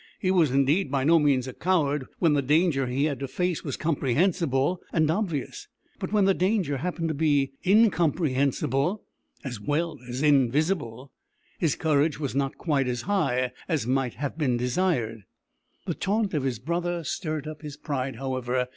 He was indeed by no means a coward when the danger he had to face was comprehensible and obvious, but when the danger happened to be incomprehensible, as well as invisible, his courage was not quite as high as might have been desired. The taunt of his brother stirred up his pride however.